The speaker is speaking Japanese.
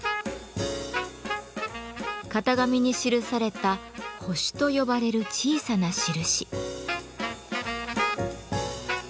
型紙に記された「星」と呼ばれる小さな印。